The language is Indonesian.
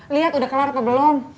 lihat udah keluar apa belum